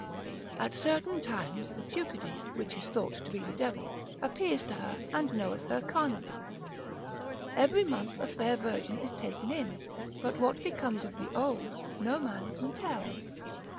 At certain times the Teuchedy (which is thought to be the devil) appears to her, and knoweth her carnally. Every month a fair virgin is taken in; but what becomes of the old, no man can tell.